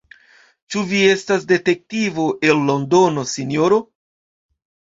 Ĉu vi estas detektivo el Londono, sinjoro?